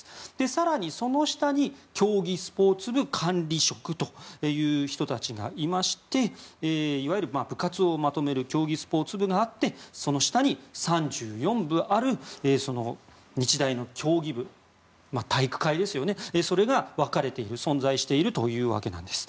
更に、その下に競技スポーツ部管理職という人たちがいましていわゆる部活をまとめる競技スポーツ部があってその下に３４部ある日大の競技部体育会ですね存在しているわけなんです。